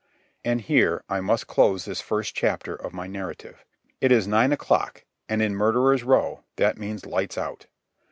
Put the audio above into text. And here I must close this first chapter of my narrative. It is nine o'clock, and in Murderers' Row that means lights out.